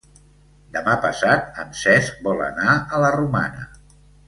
Demà passat en Cesc vol anar a la Romana.